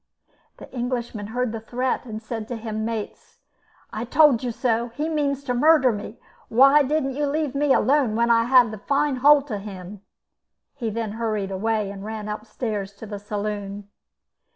The Englishman heard the threat, and said to him mates: "I told you so! He means to murder me. Why didn't you leave me alone when I had the fine holt of him?" He then hurried away and ran upstairs to the saloon.